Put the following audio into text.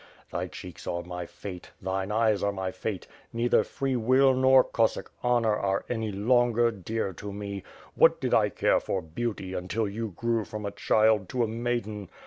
Thy cheeks are my fate, thine eyes are my fate; neither free will nor Cossack honor are any longer dear to me. What did I care for beauty until you grew from a child to a maiden!